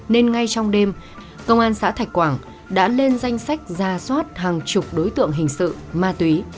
nên ngay trong đêm công an xã thạch quảng đã lên danh sách ra soát hàng chục đối tượng hình sự ma túy